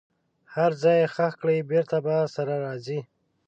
هر ځای یې ښخ کړئ بیرته به سره راځي.